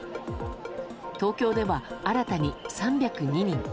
東京では新たに３０２人。